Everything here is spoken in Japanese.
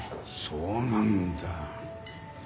そうなんだ。